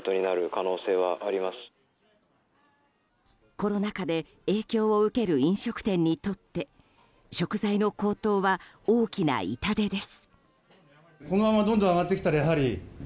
コロナ禍で影響を受ける飲食店にとって食材の高騰は大きな痛手です。